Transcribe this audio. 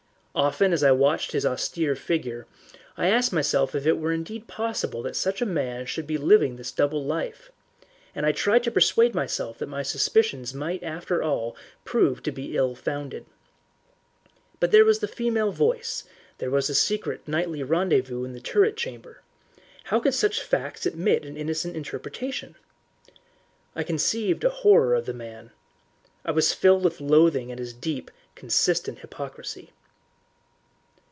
Often as I watched his austere figure, I asked myself if it were indeed possible that such a man should be living this double life, and I tried to persuade myself that my suspicions might after all prove to be ill founded. But there was the female voice, there was the secret nightly rendezvous in the turret chamber how could such facts admit of an innocent interpretation. I conceived a horror of the man. I was filled with loathing at his deep, consistent hypocrisy.